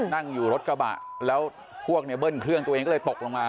นั่งอยู่รถกระบะแล้วพวกเนี่ยเบิ้ลเครื่องตัวเองก็เลยตกลงมา